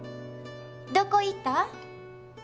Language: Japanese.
どこ行った？